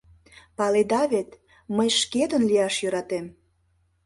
Паледа вет, мый шкетын лияш йӧратем.